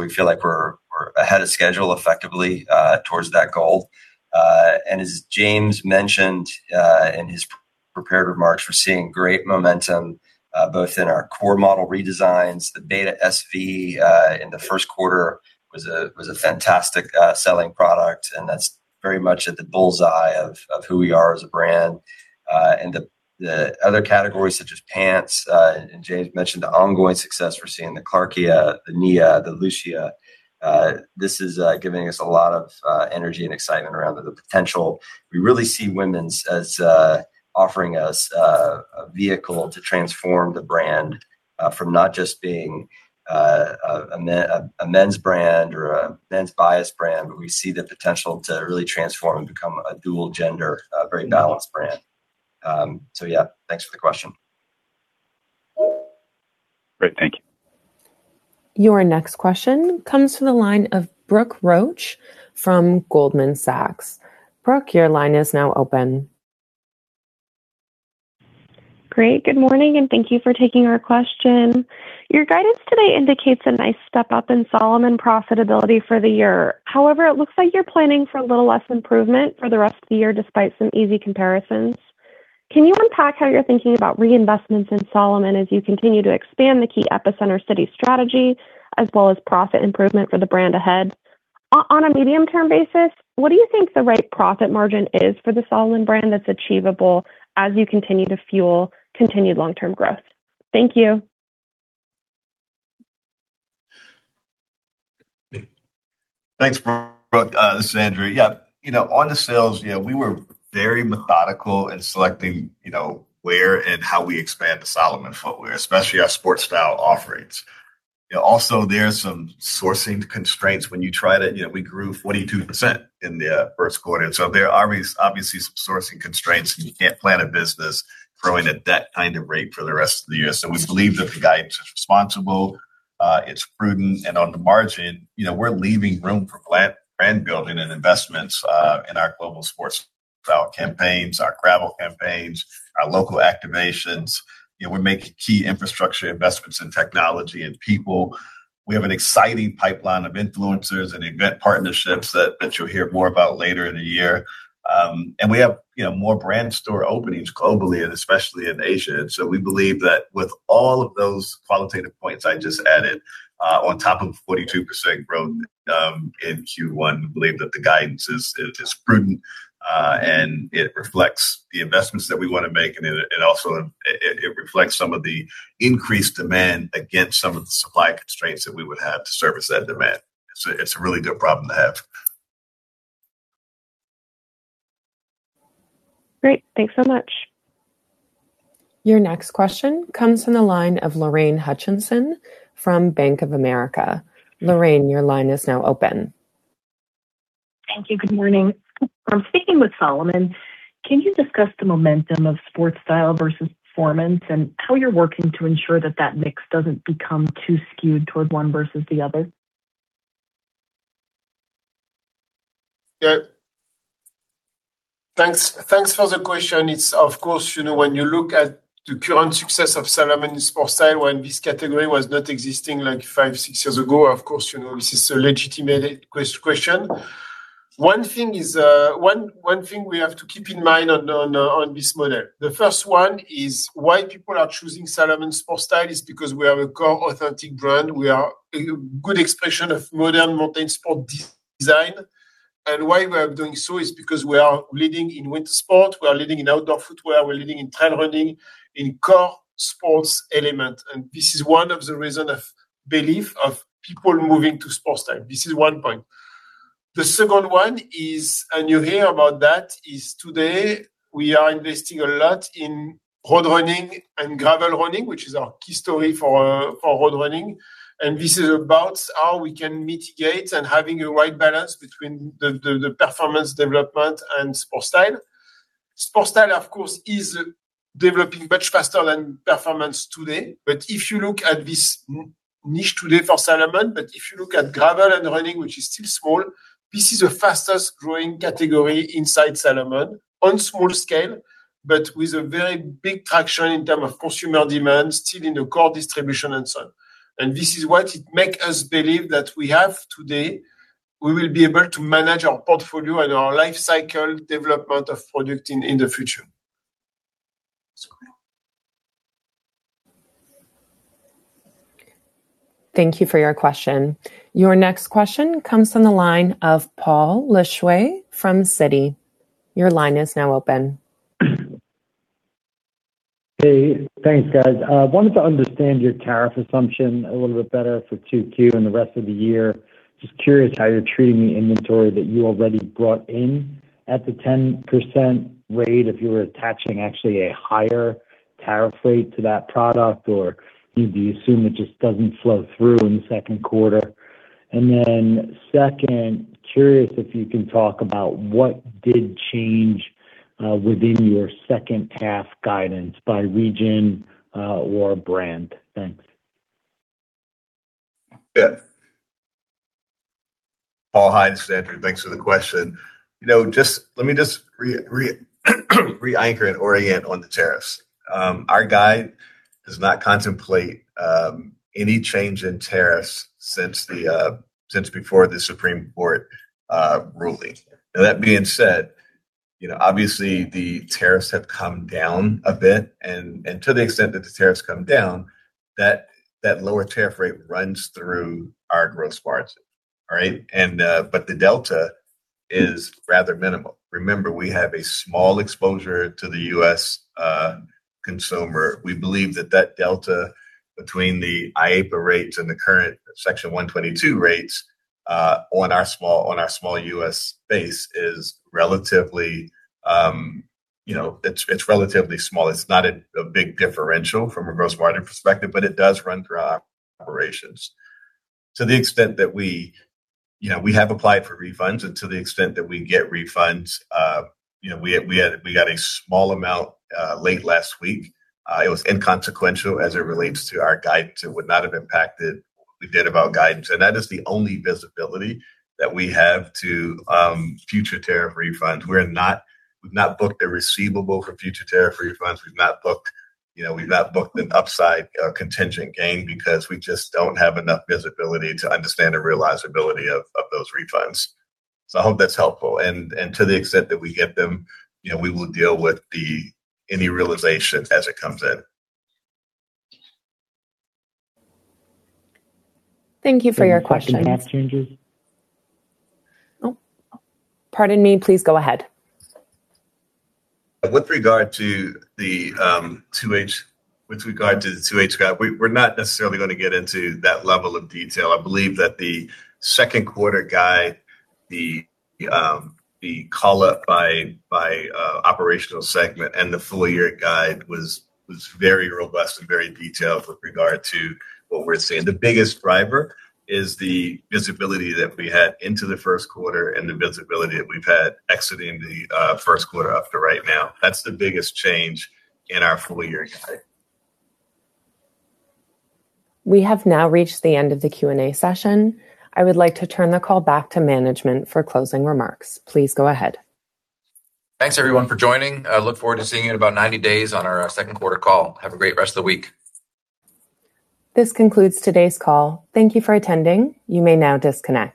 We feel like we're ahead of schedule effectively towards that goal. As James mentioned in his prepared remarks, we're seeing great momentum both in our core model redesigns. The Beta SV in the first quarter was a fantastic selling product, and that's very much at the bull's eye of who we are as a brand. The other categories such as pants, James mentioned the ongoing success we're seeing, the Clarkia, the Nia, the Lucia, this is giving us a lot of energy and excitement around the potential. We really see women's as offering us a vehicle to transform the brand from not just being a men's brand or a men's bias brand, but we see the potential to really transform and become a dual gender, very balanced brand. Yeah, thanks for the question. Great. Thank you. Your next question comes from the line of Brooke Roach from Goldman Sachs. Brooke, your line is now open. Great. Good morning, and thank you for taking our question. Your guidance today indicates a nice step up in Salomon profitability for the year. However, it looks like you're planning for a little less improvement for the rest of the year, despite some easy comparisons. Can you unpack how you're thinking about reinvestments in Salomon as you continue to expand the key epicenter city strategy, as well as profit improvement for the brand ahead? On a medium term basis, what do you think the right profit margin is for the Salomon brand that's achievable as you continue to fuel continued long-term growth? Thank you. Thanks, Brooke. This is Andrew. Yeah, you know, on the sales, yeah, we were very methodical in selecting, you know, where and how we expand the Salomon footwear, especially our sport style offerings. You know, also there are some sourcing constraints when you try to. You know, we grew 42% in the first quarter, there are obviously some sourcing constraints, and you can't plan a business growing at that kind of rate for the rest of the year. We believe that the guidance is responsible, it's prudent, and on the margin, you know, we're leaving room for brand building and investments in our global Sportstyle campaigns, our Gravel campaigns, our local activations. You know, we're making key infrastructure investments in technology and people. We have an exciting pipeline of influencers and event partnerships that you'll hear more about later in the year. We have, you know, more brand store openings globally and especially in Asia. We believe that with all of those qualitative points I just added, on top of 42% growth, in Q1, we believe that the guidance is prudent, and it reflects the investments that we wanna make, and it also reflects some of the increased demand against some of the supply constraints that we would have to service that demand. It's a really good problem to have. Great. Thanks so much. Your next question comes from the line of Lorraine Hutchinson from Bank of America. Lorraine, your line is now open. Thank you. Good morning. I'm speaking with Salomon. Can you discuss the momentum of Sportstyle versus performance and how you're working to ensure that mix doesn't become too skewed toward one versus the other? Thanks for the question. It's of course, you know, when you look at the current success of Salomon Sportstyle when this category was not existing like five, six years ago, of course, you know, this is a legitimate question. One thing we have to keep in mind on this model, the first one is why people are choosing Salomon Sportstyle is because we are a core authentic brand. We are a good expression of modern mountain sport design. Why we are doing so is because we are leading in winter sport, we are leading in outdoor footwear, we're leading in trail running, in core sports element. This is one of the reason of belief of people moving to Sportstyle. This is one point. The second one is, and you hear about that, is today we are investing a lot in road running and Gravel running, which is our key story for road running. This is about how we can mitigate and having a right balance between the performance development and Sportstyle. Sportstyle, of course, is developing much faster than performance today. If you look at this niche today for Salomon, but if you look at Gravel and running, which is still small, this is the fastest growing category inside Salomon on small scale, but with a very big traction in term of consumer demand still in the core distribution and so on. This is what it make us believe that we have today, we will be able to manage our portfolio and our life cycle development of product in the future. Thank you for your question. Your next question comes from the line of Paul Lejuez from Citi. Your line is now open. Hey, thanks guys. I wanted to understand your tariff assumption a little bit better for Q2 and the rest of the year. Just curious how you're treating the inventory that you already brought in at the 10% rate if you were attaching actually a higher tariff rate to that product, or do you assume it just doesn't flow through in the second quarter? Second, curious if you can talk about what did change within your second half guidance by region or brand? Thanks. Yeah. Paul, hi, it's Andrew. Thanks for the question. You know, let me just re-anchor and orient on the tariffs. Our guide does not contemplate any change in tariffs since before the Supreme Court ruling. That being said, you know, obviously, the tariffs have come down a bit, and to the extent that the tariffs come down, that lower tariff rate runs through our gross margins. All right? The delta is rather minimal. Remember, we have a small exposure to the U.S. consumer. We believe that delta between the [IAPA] rates and the current Section 122 rates on our small U.S. base is relatively, you know, it's relatively small. It's not a big differential from a gross margin perspective, it does run through our operations. To the extent that we, you know, we have applied for refunds, to the extent that we get refunds, you know, we got a small amount late last week. It was inconsequential as it relates to our guidance. It would not have impacted what we did of our guidance. That is the only visibility that we have to future tariff refunds. We've not booked a receivable for future tariff refunds. We've not booked, you know, we've not booked an upside contingent gain because we just don't have enough visibility to understand the realizability of those refunds. I hope that's helpful. To the extent that we get them, you know, we will deal with the, any realization as it comes in. Thank you for your question. Any tax changes? Oh, pardon me. Please go ahead. With regard to the 2H guide, we're not necessarily gonna get into that level of detail. I believe that the second quarter guide, the callout by operational segment and the full year guide was very robust and very detailed with regard to what we're seeing. The biggest driver is the visibility that we had into the first quarter and the visibility that we've had exiting the first quarter up to right now. That's the biggest change in our full year guide. We have now reached the end of the Q&A session. I would like to turn the call back to management for closing remarks. Please go ahead. Thanks everyone for joining. I look forward to seeing you in about 90 days on our second quarter call. Have a great rest of the week. This concludes today's call. Thank you for attending. You may now disconnect.